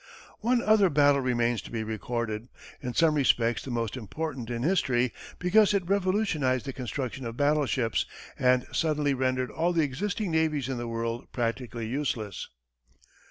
One other battle remains to be recorded in some respects the most important in history, because it revolutionized the construction of battleships, and suddenly rendered all the existing navies of the world practically useless.